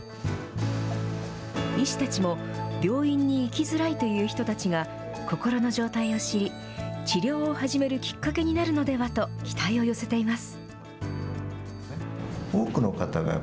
医師たちも病院に行きづらいという人たちが心の状態を知り、治療を始めるきっかけになるのではと期待を寄せています。